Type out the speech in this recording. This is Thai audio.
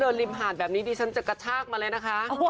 อย่างดิบหาดแบบนี้ดิฉันจะกระซากมาเลยนะคะ